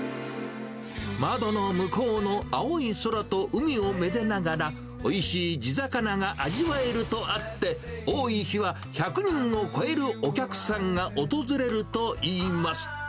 窓の向こうの青い空と海をめでながら、おいしい地魚が味わえるとあって、多い日は１００人を超えるお客さんが訪れるといいます。